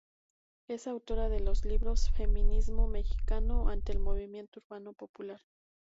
Es autora de los libros "Feminismo mexicano ante el movimiento urbano popular.